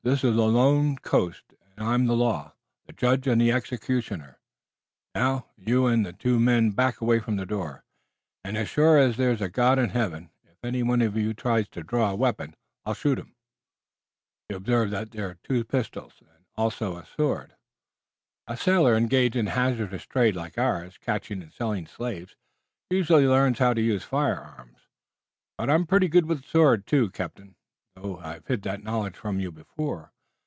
This is a lone coast, and I'm the law, the judge and the executioner. Now, you and the two men back away from the door, and as sure as there's a God in Heaven, if any one of you tries to draw a weapon I'll shoot him. You'll observe that I've two pistols and also a sword. A sailor engaged in a hazardous trade like ours, catching and selling slaves, usually learns how to use firearms, but I'm pretty good with the sword, too, captain, though I've hid the knowledge from you before.